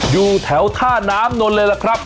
อยู่แถวท่าน้ำนนท์เลยล่ะครับ